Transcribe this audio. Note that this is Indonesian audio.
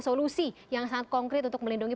solusi yang sangat konkret untuk melindungi